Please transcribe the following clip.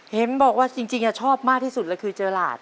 เห็นบอกว่าจริงชอบมากที่สุดเลยคือเจอหลาด